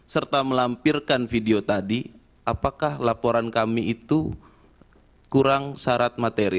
serta melampirkan video tadi apakah laporan kami itu kurang syarat materi